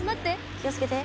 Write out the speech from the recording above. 気をつけて。